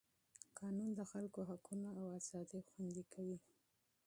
قانون د خلکو حقونه او ازادۍ خوندي کوي.